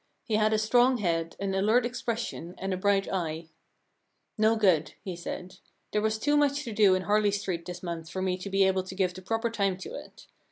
He had a strong head, an alert expression, and a bright eye. * No good,' he said. * There was too much to do in Harley Street this month for me to be able to give the proper time to it.